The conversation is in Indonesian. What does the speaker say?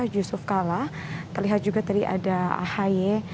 yusuf kalla terlihat juga tadi ada ahaye